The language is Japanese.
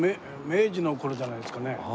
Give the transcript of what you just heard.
明治の頃じゃないですかね。